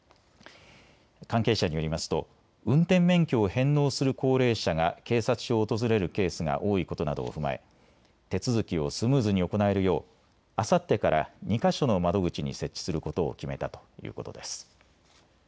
関係者によりますと運転免許を返納する高齢者が警察署を訪れるケースが多いことなどを踏まえ手続きをスムーズに行えるようあさってから２か所の窓口に設置することを決めたということです。